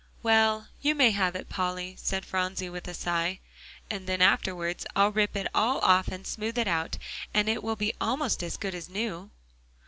"Well, you may have it, Polly," said Phronsie with a sigh, "and then afterwards I'll rip it all off and smooth it out, and it will be almost as good as new."